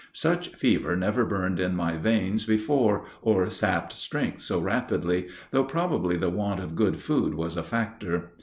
Such fever never burned in my veins before or sapped strength so rapidly, though probably the want of good food was a factor.